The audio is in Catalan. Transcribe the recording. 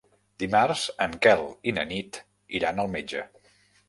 Dimarts en Quel i na Nit iran al metge.